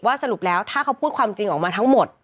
สรุปแล้วถ้าเขาพูดความจริงออกมาทั้งหมด